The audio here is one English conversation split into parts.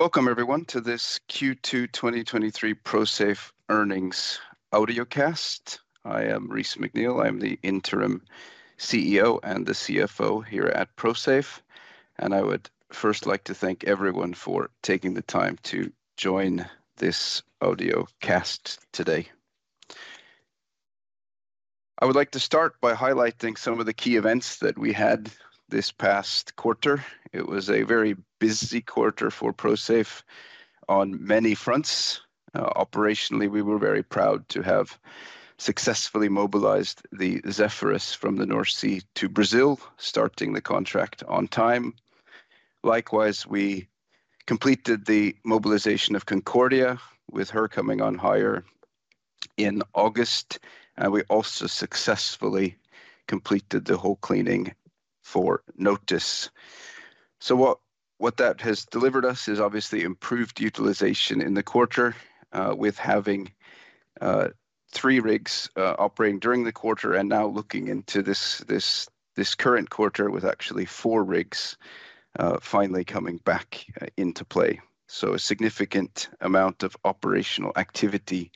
Welcome everyone to this Q2 2023 Prosafe earnings audiocast. I am Reese McNeel. I'm the interim CEO and the CFO here at Prosafe. I would first like to thank everyone for taking the time to join this audiocast today. I would like to start by highlighting some of the key events that we had this past quarter. It was a very busy quarter for Prosafe on many fronts. Operationally, we were very proud to have successfully mobilized the Zephyrus from the North Sea to Brazil, starting the contract on time. Likewise, we completed the mobilization of Concordia, with her coming on hire in August, and we also successfully completed the hull cleaning for Notos. What, what that has delivered us is obviously improved utilization in the quarter, with having 3 rigs operating during the quarter, and now looking into this, this, this current quarter with actually 4 rigs finally coming back into play. A significant amount of operational activity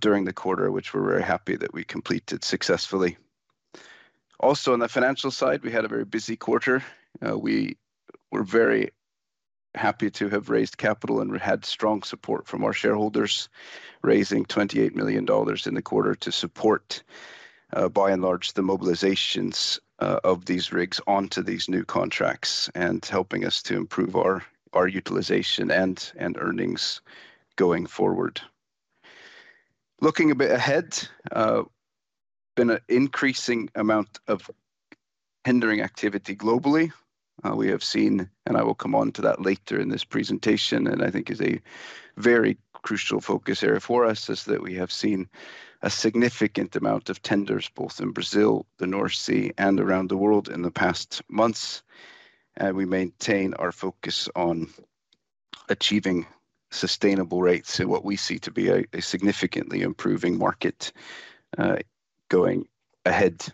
during the quarter, which we're very happy that we completed successfully. Also, on the financial side, we had a very busy quarter. We were very happy to have raised capital and we had strong support from our shareholders, raising $28 million in the quarter to support, by and large, the mobilizations of these rigs onto these new contracts, and helping us to improve our, our utilization and, and earnings going forward. Looking a bit ahead, been an increasing amount of tendering activity globally. We have seen, and I will come onto that later in this presentation, and I think is a very crucial focus area for us, is that we have seen a significant amount of tenders, both in Brazil, the North Sea, and around the world in the past months. And we maintain our focus on achieving sustainable rates in what we see to be a, a significantly improving market, going ahead.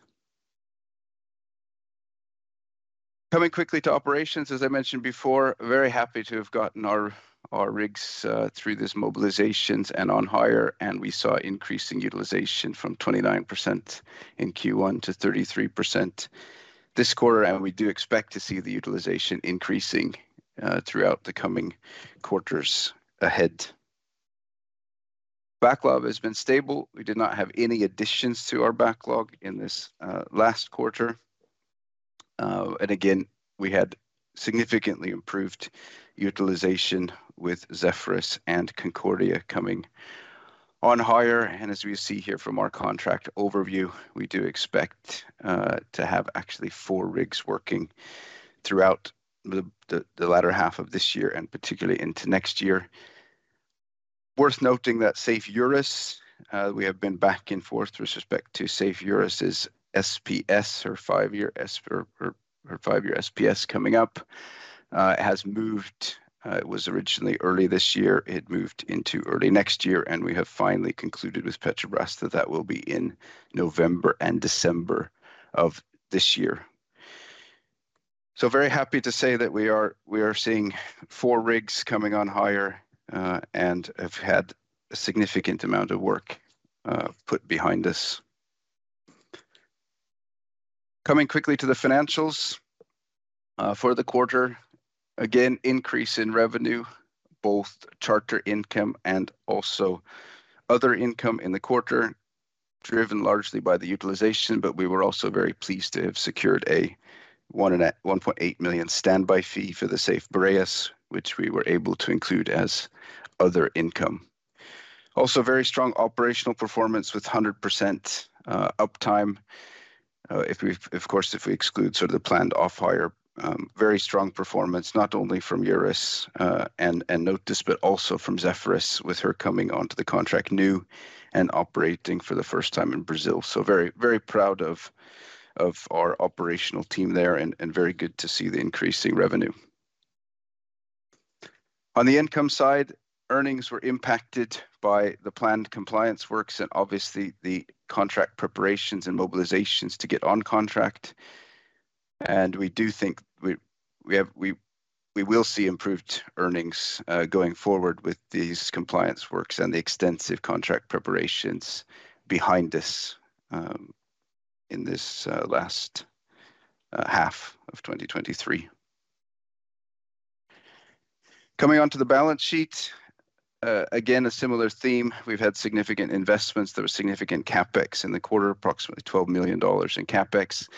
Coming quickly to operations, as I mentioned before, very happy to have gotten our, our rigs, through these mobilizations and on hire, and we saw increasing utilization from 29% in Q1 to 33% this quarter, and we do expect to see the utilization increasing, throughout the coming quarters ahead. Backlog has been stable. We did not have any additions to our backlog in this last quarter. Again, we had significantly improved utilization with Safe Zephyrus and Safe Concordia coming on hire. As we see here from our contract overview, we do expect to have actually four rigs working throughout the latter half of this year, and particularly into next year. Worth noting that Safe Eurus, we have been back and forth with respect to Safe Eurus' SPS, her five-year SPS coming up, has moved. It was originally early this year. It moved into early next year, and we have finally concluded with Petrobras that that will be in November and December of this year. Very happy to say that we are, we are seeing four rigs coming on hire and have had a significant amount of work put behind us. Coming quickly to the financials, for the quarter, again, increase in revenue, both charter income and also other income in the quarter, driven largely by the utilization, but we were also very pleased to have secured a $1.8 million standby fee for the Safe Boreas, which we were able to include as other income. Very strong operational performance with 100% uptime. If we exclude sort of the planned off-hire, very strong performance, not only from Eurus, and Notos, but also from Zephyrus, with her coming onto the contract new and operating for the first time in Brazil. Very, very proud of, of our operational team there, and, and very good to see the increasing revenue. On the income side, earnings were impacted by the planned compliance works and obviously the contract preparations and mobilizations to get on contract. We do think we will see improved earnings going forward with these compliance works and the extensive contract preparations behind us in this last half of 2023. Coming onto the balance sheet, again, a similar theme. We've had significant investments. There was significant CapEx in the quarter, approximately $12 million in CapEx,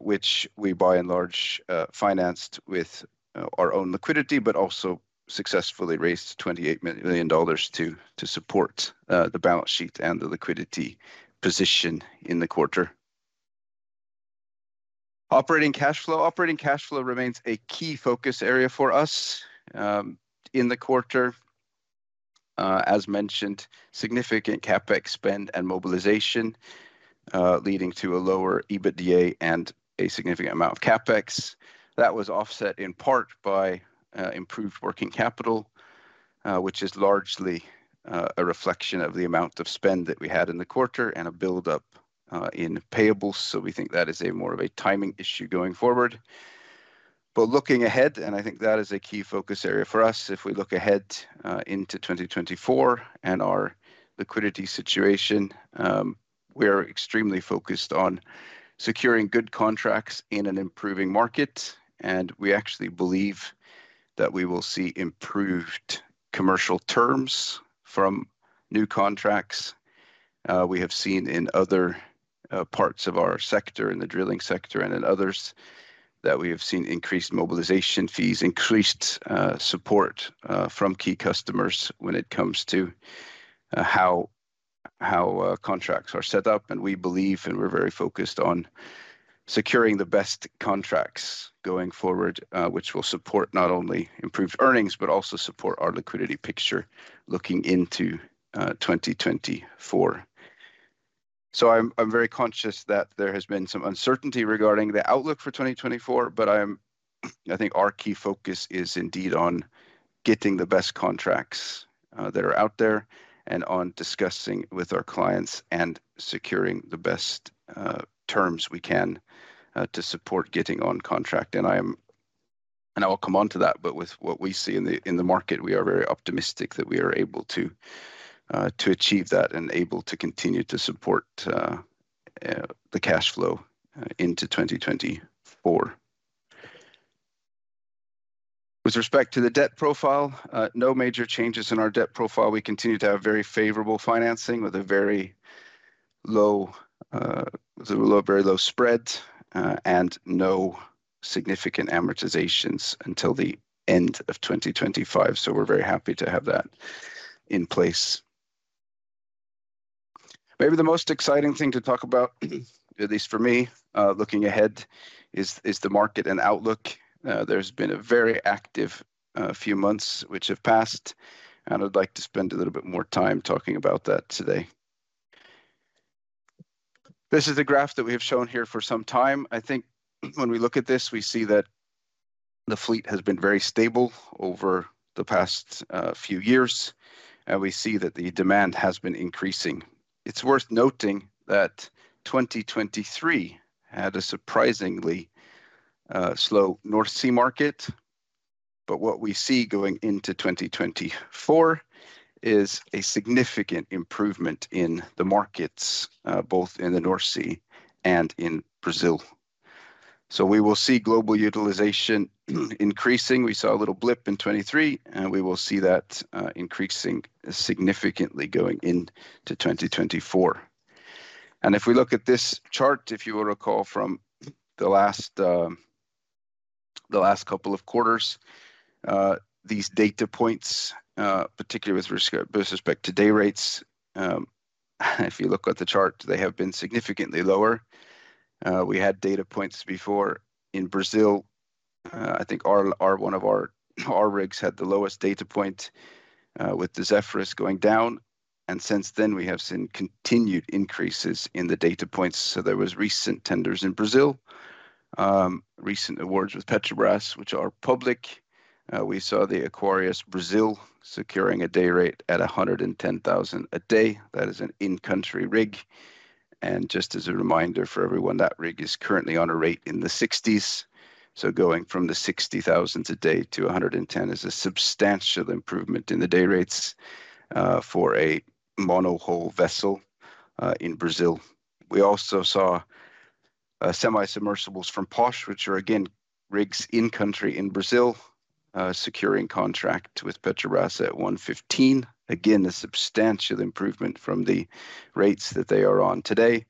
which we, by and large, financed with our own liquidity, but also successfully raised $28 million to support the balance sheet and the liquidity position in the quarter. Operating cash flow. Operating cash flow remains a key focus area for us. In the quarter, as mentioned, significant CapEx spend and mobilization, leading to a lower EBITDA and a significant amount of CapEx. That was offset in part by improved working capital, which is largely a reflection of the amount of spend that we had in the quarter and a build-up in payables. We think that is a more of a timing issue going forward. Looking ahead, and I think that is a key focus area for us, if we look ahead into 2024 and our liquidity situation, we are extremely focused on securing good contracts in an improving market, and we actually believe that we will see improved commercial terms from new contracts. We have seen in other parts of our sector, in the drilling sector and in others, that we have seen increased mobilization fees, increased support from key customers when it comes to how, how contracts are set up. We believe, and we're very focused on securing the best contracts going forward, which will support not only improved earnings, but also support our liquidity picture looking into 2024. I'm very conscious that there has been some uncertainty regarding the outlook for 2024, but I think our key focus is indeed on getting the best contracts that are out there and on discussing with our clients, and securing the best terms we can to support getting on contract. I am... I will come on to that, but with what we see in the market, we are very optimistic that we are able to achieve that and able to continue to support the cash flow into 2024. With respect to the debt profile, no major changes in our debt profile. We continue to have very favorable financing with a very low, with a low, very low spread, and no significant amortizations until the end of 2025. We're very happy to have that in place. Maybe the most exciting thing to talk about, at least for me, looking ahead, is the market and outlook. There's been a very active few months which have passed, and I'd like to spend a little bit more time talking about that today. This is a graph that we have shown here for some time. I think when we look at this, we see that the fleet has been very stable over the past few years, and we see that the demand has been increasing. It's worth noting that 2023 had a surprisingly slow North Sea market, but what we see going into 2024 is a significant improvement in the markets, both in the North Sea and in Brazil. We will see global utilization increasing. We saw a little blip in 2023, and we will see that increasing significantly going into 2024. If we look at this chart, if you will recall from the last, the last couple of quarters, these data points, particularly with respect to day rates, if you look at the chart, they have been significantly lower. We had data points before in Brazil. I think one of our rigs had the lowest data point with the Zephyrus going down, and since then, we have seen continued increases in the data points. There was recent tenders in Brazil, recent awards with Petróleo Brasileiro S.A., which are public. We saw the Aquarius Brazil securing a day rate at $110,000 a day. That is an in-country rig. Just as a reminder for everyone, that rig is currently on a rate in the $60,000s. Going from the $60,000 a day to $110,000 is a substantial improvement in the day rates for a monohull vessel in Brazil. We also saw semi-submersibles from POSH, which are again, rigs in country, in Brazil, securing contract with Petrobras at $115,000. Again, a substantial improvement from the rates that they are on today.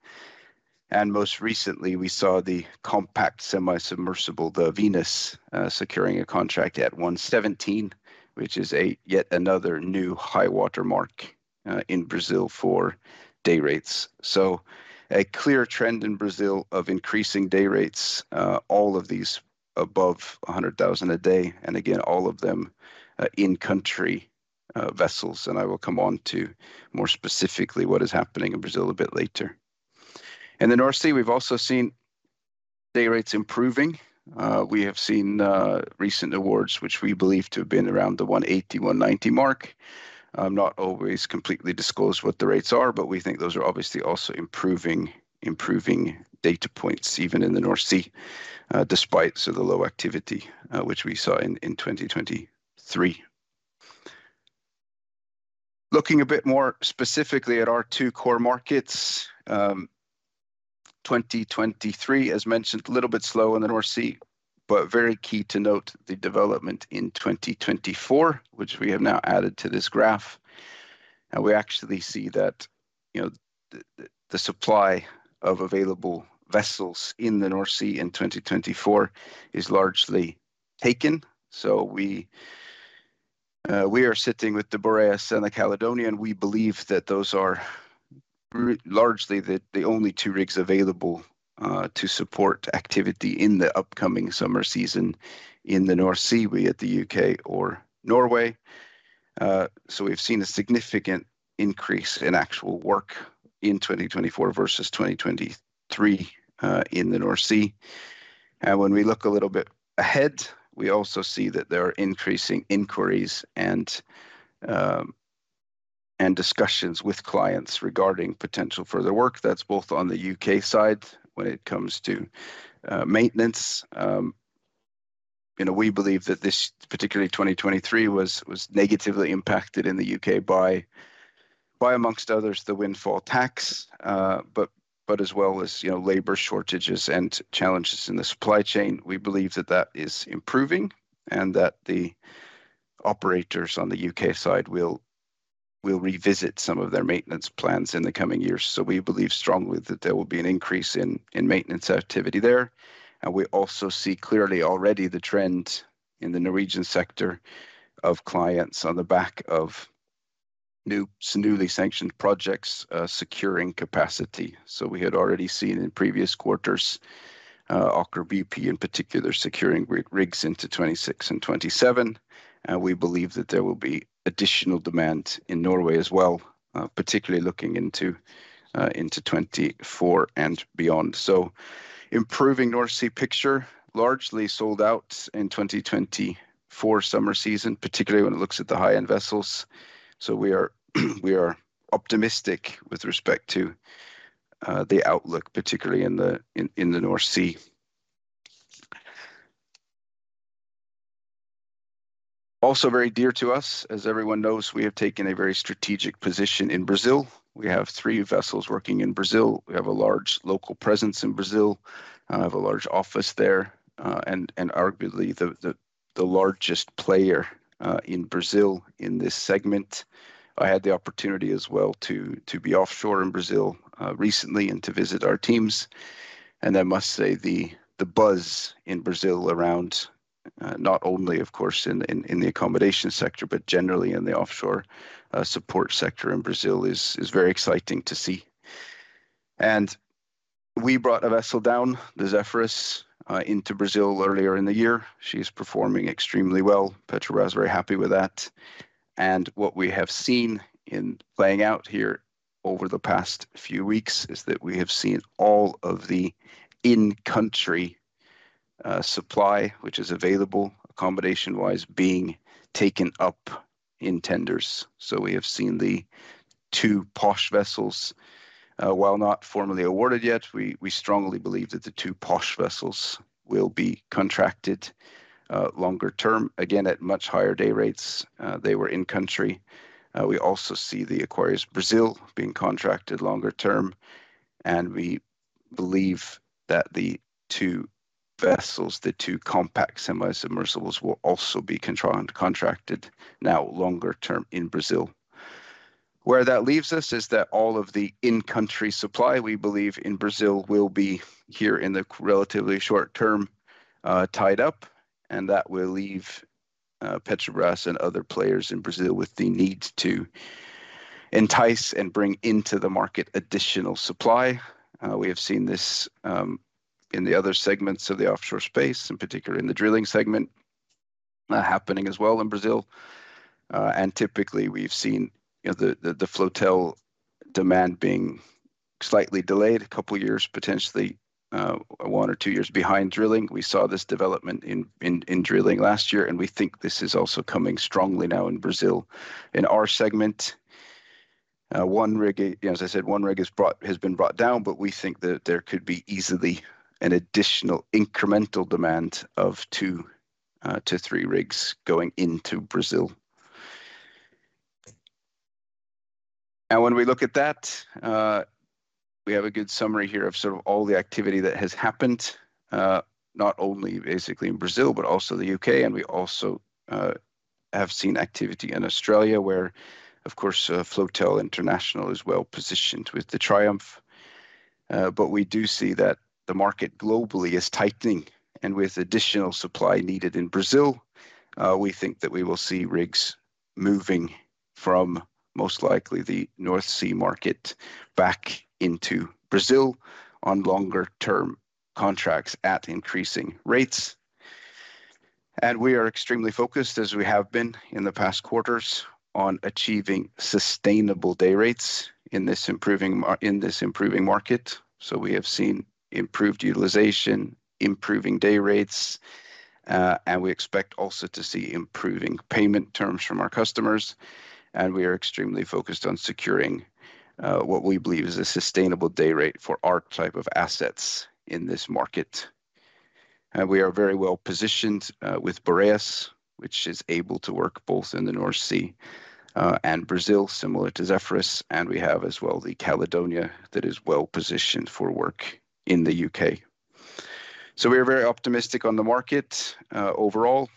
Most recently, we saw the compact semi-submersible, the Venus, securing a contract at $117,000, which is a, yet another new high water mark in Brazil for day rates. A clear trend in Brazil of increasing day rates, all of these above $100,000 a day, and again, all of them, in-country, vessels. I will come on to more specifically what is happening in Brazil a bit later. In the North Sea, we've also seen day rates improving. We have seen recent awards, which we believe to have been around the $180, $190 mark. I'm not always completely disclosed what the rates are, but we think those are obviously also improving, improving data points, even in the North Sea, despite the low activity, which we saw in 2023. Looking a bit more specifically at our two core markets, 2023, as mentioned, a little bit slow in the North Sea, but very key to note the development in 2024, which we have now added to this graph. We actually see that, you know, the, the, the supply of available vessels in the North Sea in 2024 is largely taken. We are sitting with the Boreas and the Caledonian. We believe that those are largely the, the only two rigs available to support activity in the upcoming summer season in the North Sea, be at the UK or Norway. So we've seen a significant increase in actual work in 2024 versus 2023 in the North Sea. When we look a little bit ahead, we also see that there are increasing inquiries and discussions with clients regarding potential further work that's both on the UK side when it comes to maintenance. You know, we believe that this, particularly 2023, was, was negatively impacted in the UK by, by amongst others, the windfall tax. But as well as, you know, labor shortages and challenges in the supply chain. We believe that that is improving, that the operators on the UK side will, will revisit some of their maintenance plans in the coming years. We believe strongly that there will be an increase in, in maintenance activity there. We also see clearly already the trend in the Norwegian sector of clients on the back of new, newly sanctioned projects, securing capacity. We had already seen in previous quarters, Aker BP, in particular, securing rig, rigs into 26 and 27. We believe that there will be additional demand in Norway as well, particularly looking into 2024 and beyond. Improving North Sea picture, largely sold out in 2024 summer season, particularly when it looks at the high-end vessels. We are, we are optimistic with respect to the outlook, particularly in the, in, in the North Sea. Also very dear to us, as everyone knows, we have taken a very strategic position in Brazil. We have three vessels working in Brazil. We have a large local presence in Brazil, and have a large office there, and arguably the, the, the largest player in Brazil in this segment. I had the opportunity as well, to, to be offshore in Brazil, recently, and to visit our teams. I must say, the, the buzz in Brazil around, not only, of course, in, in, in the accommodation sector, but generally in the offshore support sector in Brazil, is, is very exciting to see. We brought a vessel down, the Zephyrus, into Brazil earlier in the year. She's performing extremely well. Petrobras is very happy with that. What we have seen in playing out here over the past few weeks, is that we have seen all of the in-country supply, which is available accommodation-wise, being taken up in tenders. We have seen the 2 POSH vessels. While not formally awarded yet, we, we strongly believe that the 2 POSH vessels will be contracted longer term, again, at much higher day rates, they were in country. We also see the Aquarius Brazil being contracted longer term, and we believe that the 2 vessels, the 2 compact semi-submersibles, will also be contracted now longer term in Brazil. Where that leaves us is that all of the in-country supply, we believe in Brazil, will be here in the relatively short term, tied up, and that will leave Petrobras and other players in Brazil with the need to entice and bring into the market additional supply. We have seen this in the other segments of the offshore space, in particular in the drilling segment, happening as well in Brazil. Typically, we've seen, you know, the, the, the flotel demand being slightly delayed 2 years, potentially, 1 or 2 years behind drilling. We saw this development in, in, in drilling last year, and we think this is also coming strongly now in Brazil. In our segment, one rig, as I said, one rig is brought-- has been brought down, but we think that there could be easily an additional incremental demand of two to three rigs going into Brazil. When we look at that, we have a good summary here of sort of all the activity that has happened, not only basically in Brazil, but also the U.K. We also have seen activity in Australia, where, of course, Floatel International is well positioned with the Triumph. But we do see that the market globally is tightening, and with additional supply needed in Brazil, we think that we will see rigs moving from most likely the North Sea market back into Brazil on longer term contracts at increasing rates. We are extremely focused, as we have been in the past quarters, on achieving sustainable day rates in this improving market. We have seen improved utilization, improving day rates, and we expect also to see improving payment terms from our customers. We are extremely focused on securing what we believe is a sustainable day rate for our type of assets in this market. We are very well positioned with Safe Boreas, which is able to work both in the North Sea and Brazil, similar to Safe Zephyrus. We have as well, the Safe Caledonia, that is well positioned for work in the UK. We are very optimistic on the market overall,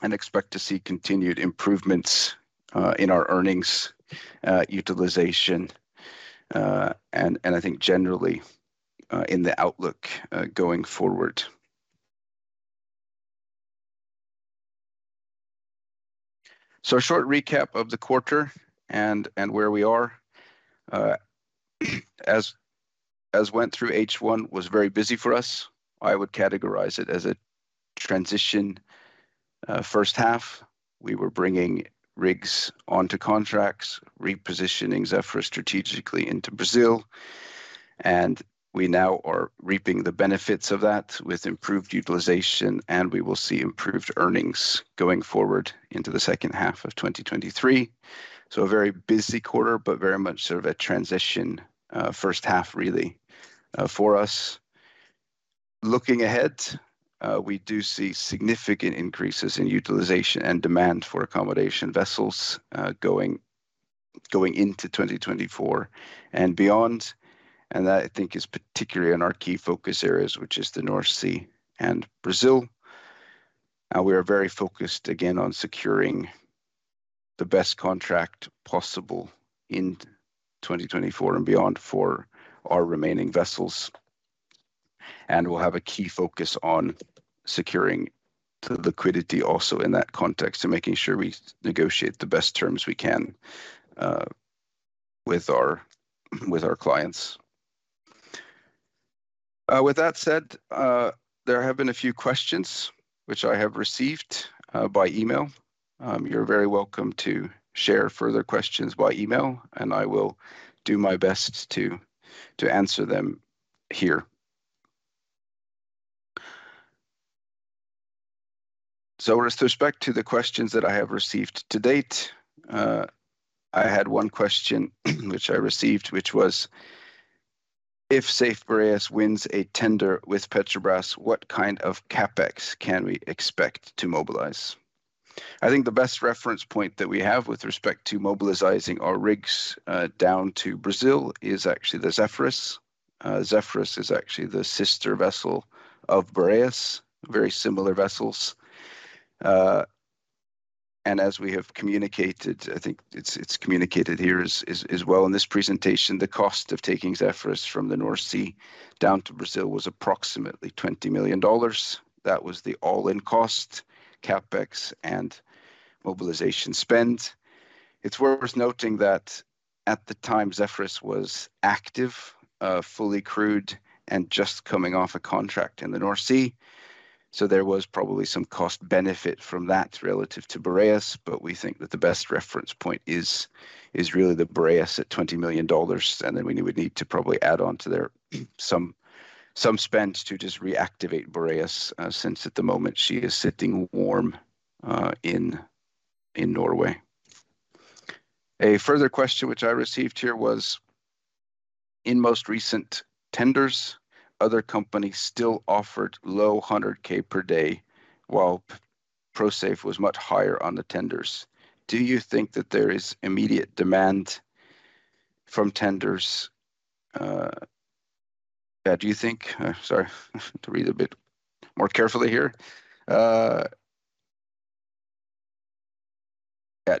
and expect to see continued improvements in our earnings, utilization, and I think generally in the outlook going forward. A short recap of the quarter and where we are. As went through H1, was very busy for us. I would categorize it as transition, H1, we were bringing rigs onto contracts, repositioning Zephyrus strategically into Brazil, and we now are reaping the benefits of that with improved utilization, and we will see improved earnings going forward into the H2 of 2023. A very busy quarter, but very much sort of a transition, H1, really, for us. Looking ahead, we do see significant increases in utilization and demand for accommodation vessels, going into 2024 and beyond, and that, I think, is particularly in our key focus areas, which is the North Sea and Brazil. We are very focused again on securing the best contract possible in 2024 and beyond for our remaining vessels. We'll have a key focus on securing the liquidity also in that context, so making sure we negotiate the best terms we can with our, with our clients. With that said, there have been a few questions which I have received by email. You're very welcome to share further questions by email, and I will do my best to, to answer them here. With respect to the questions that I have received to date, I had 1 question, which I received, which was: If Safe Boreas wins a tender with Petrobras, what kind of CapEx can we expect to mobilize? I think the best reference point that we have with respect to mobilizing our rigs down to Brazil is actually the Zephyrus. Zephyrus is actually the sister vessel of Boreas, very similar vessels. As we have communicated, I think it's, it's communicated here as, as well in this presentation, the cost of taking Zephyrus from the North Sea down to Brazil was approximately $20 million. That was the all-in cost, CapEx, and mobilization spend. It's worth noting that at the time, Zephyrus was active, fully crewed, and just coming off a contract in the North Sea, so there was probably some cost benefit from that relative to Boreas. We think that the best reference point is, is really the Boreas at $20 million, and then we would need to probably add on to their some, some spend to just reactivate Boreas, since at the moment she is sitting warm, in, in Norway. A further question which I received here was, in most recent tenders, other companies still offered low $100K per day, while Prosafe was much higher on the tenders. Do you think that there is immediate demand from tenders? Sorry, to read a bit more carefully here. Yeah,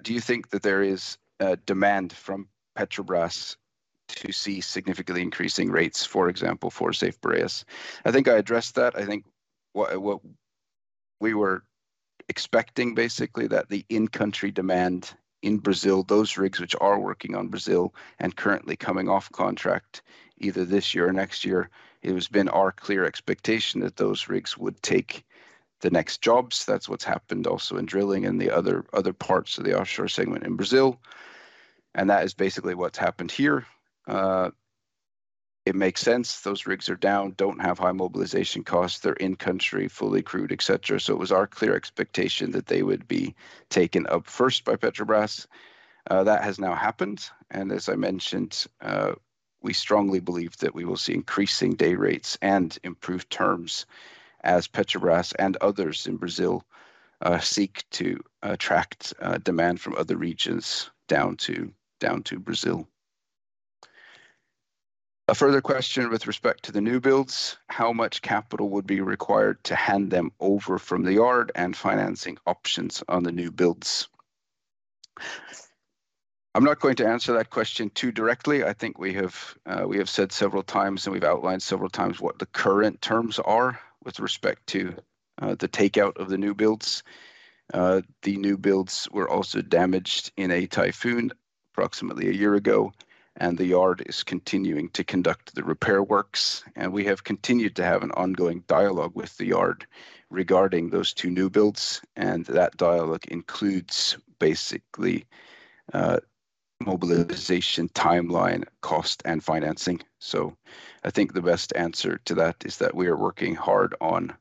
do you think that there is a demand from Petrobras to see significantly increasing rates, for example, for Safe Boreas? I think I addressed that. I think what, what we were expecting, basically, that the in-country demand in Brazil, those rigs which are working on Brazil and currently coming off contract either this year or next year, it has been our clear expectation that those rigs would take the next jobs. That's what's happened also in drilling in the other, other parts of the offshore segment in Brazil, and that is basically what's happened here. It makes sense. Those rigs are down, don't have high mobilization costs, they're in-country, fully crewed, et cetera. It was our clear expectation that they would be taken up first by Petrobras. That has now happened, and as I mentioned, we strongly believe that we will see increasing day rates and improved terms as Petrobras and others in Brazil, seek to attract, demand from other regions down to, down to Brazil. A further question with respect to the newbuilds, how much capital would be required to hand them over from the yard and financing options on the newbuilds? I'm not going to answer that question too directly. I think we have said several times, and we've outlined several times what the current terms are with respect to the takeout of the newbuilds. The newbuilds were also damaged in a typhoon approximately 1 year ago, and the yard is continuing to conduct the repair works, and we have continued to have an ongoing dialogue with the yard regarding those 2 newbuilds, and that dialogue includes basically mobilization, timeline, cost, and financing. I think the best answer to that is that we are working hard on,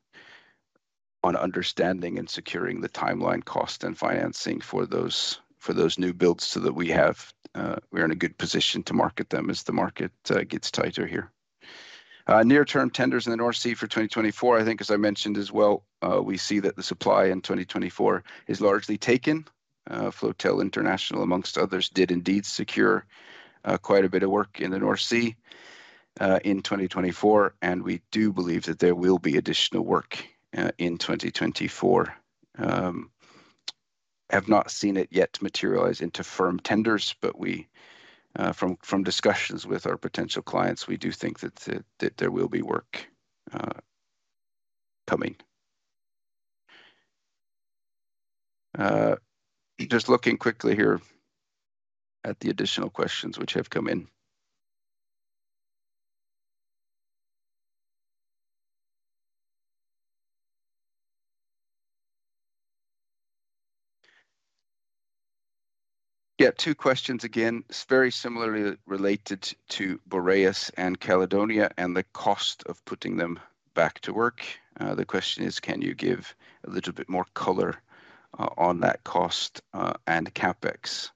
on understanding and securing the timeline, cost, and financing for those, for those newbuilds so that we have, we're in a good position to market them as the market gets tighter here. Near-term tenders in the North Sea for 2024, I think as I mentioned as well, we see that the supply in 2024 is largely taken. Floatel International, amongst others, did indeed secure quite a bit of work in the North Sea in 2024, and we do believe that there will be additional work in 2024. Have not seen it yet materialize into firm tenders, but we, from, from discussions with our potential clients, we do think that there, that there will be work coming. Just looking quickly here at the additional questions which have come in. Yeah, 2 questions again. It's very similarly related to Boreas and Caledonia, and the cost of putting them back to work. The question is, can you give a little bit more color on that cost and CapEx?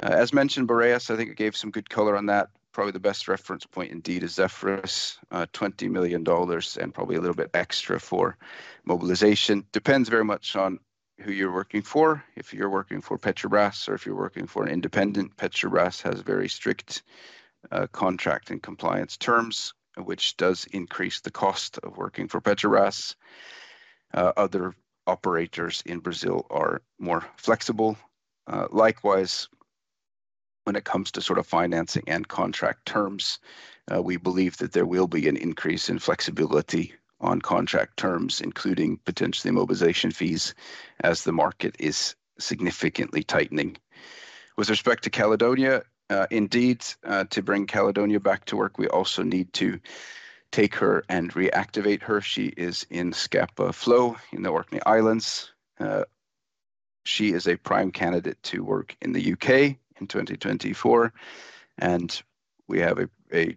As mentioned, Boreas, I think I gave some good color on that. Probably the best reference point indeed is Zephyrus, $20 million, and probably a little bit extra for mobilization. Depends very much on who you're working for. If you're working for Petrobras or if you're working for an independent, Petrobras has very strict contract and compliance terms, which does increase the cost of working for Petrobras. Other operators in Brazil are more flexible. Likewise, when it comes to sort of financing and contract terms, we believe that there will be an increase in flexibility on contract terms, including potentially mobilization fees, as the market is significantly tightening. With respect to Caledonia, indeed, to bring Caledonia back to work, we also need to take her and reactivate her. She is in Scapa Flow in the Orkney Islands. She is a prime candidate to work in the UK in 2024, we have a, a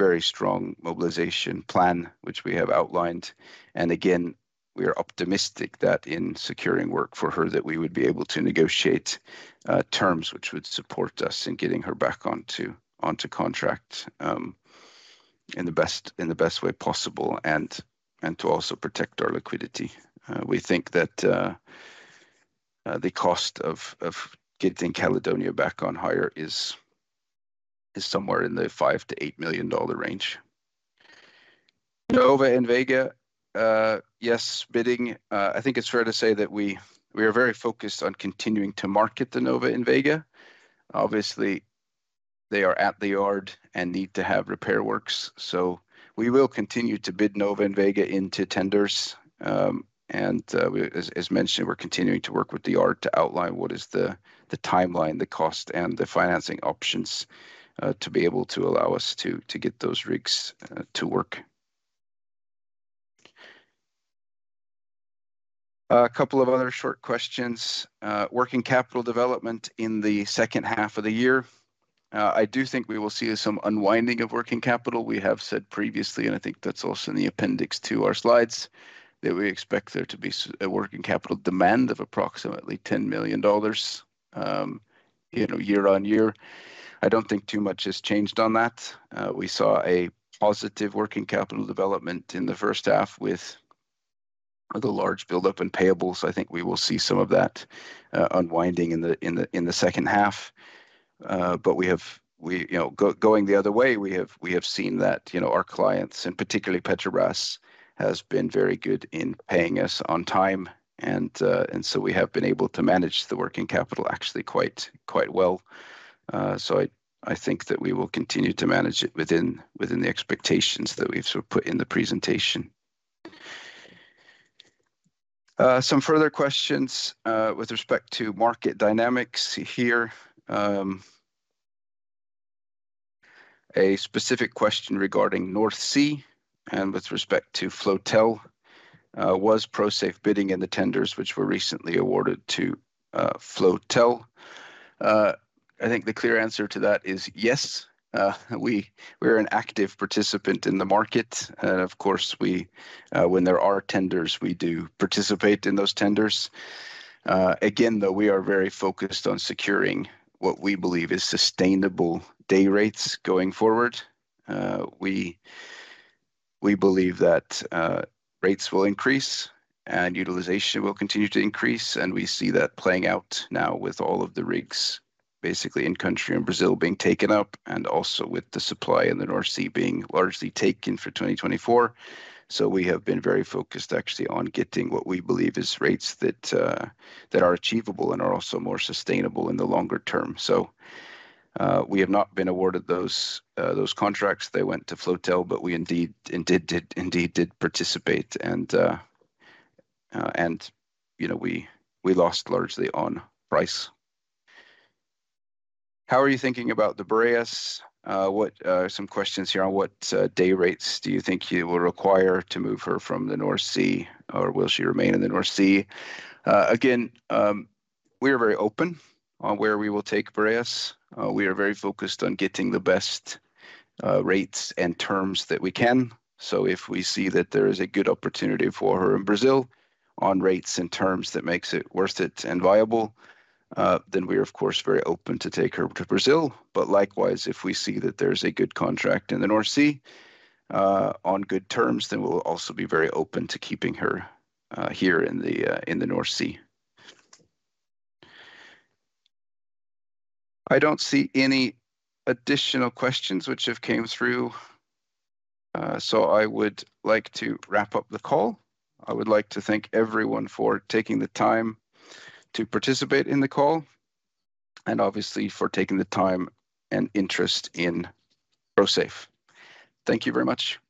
very strong mobilization plan, which we have outlined. Again, we are optimistic that in securing work for her, that we would be able to negotiate terms which would support us in getting her back onto, onto contract, in the best, in the best way possible and, and to also protect our liquidity. We think that the cost of getting Caledonia back on hire is somewhere in the $5 million-$8 million range. Nova and Vega, yes, bidding, I think it's fair to say that we are very focused on continuing to market the Nova and Vega. Obviously, they are at the yard and need to have repair works, so we will continue to bid Nova and Vega into tenders. We, as mentioned, we're continuing to work with the yard to outline what is the timeline, the cost, and the financing options to be able to allow us to get those rigs to work. A couple of other short questions. Working capital development in the H2 of the year. I do think we will see some unwinding of working capital. We have said previously, and I think that's also in the appendix to our slides, that we expect there to be a working capital demand of approximately $10 million, you know, year on year. I don't think too much has changed on that. We saw a positive working capital development in the H1 with the large buildup in payables. I think we will see some of that unwinding in the, in the, in the H2. We have. We, you know, going the other way, we have, we have seen that, you know, our clients, and particularly Petrobras, has been very good in paying us on time, and so we have been able to manage the working capital actually quite, quite well. I, I think that we will continue to manage it within, within the expectations that we've sort of put in the presentation. Some further questions with respect to market dynamics here. A specific question regarding North Sea and with respect to Floatel, was Prosafe bidding in the tenders, which were recently awarded to Floatel? I think the clear answer to that is yes. We, we're an active participant in the market, and, of course, we, when there are tenders, we do participate in those tenders. Again, though, we are very focused on securing what we believe is sustainable day rates going forward. We, we believe that rates will increase and utilization will continue to increase, and we see that playing out now with all of the rigs basically in country and Brazil being taken up, and also with the supply in the North Sea being largely taken for 2024. We have been very focused actually on getting what we believe is rates that are achievable and are also more sustainable in the longer term. We have not been awarded those contracts. They went to Floatel, we indeed, indeed did, indeed did participate, and, you know, we, we lost largely on price. How are you thinking about the Boreas? What, some questions here on what day rates do you think you will require to move her from the North Sea, or will she remain in the North Sea? Again, we are very open on where we will take Safe Boreas. We are very focused on getting the best rates and terms that we can. So if we see that there is a good opportunity for her in Brazil on rates and terms that makes it worth it and viable, then we are of course very open to take her to Brazil. But likewise, if we see that there is a good contract in the North Sea, on good terms, then we'll also be very open to keeping her here in the North Sea. I don't see any additional questions which have came through, so I would like to wrap up the call. I would like to thank everyone for taking the time to participate in the call and obviously for taking the time and interest in Prosafe. Thank you very much.